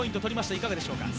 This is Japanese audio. いかがでしょうか。